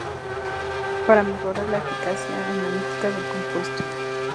Para mejorar la eficacia analítica del compuesto.